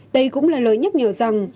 đây cũng là lời nhắc nhở rằng